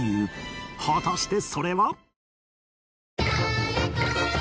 果たしてそれは？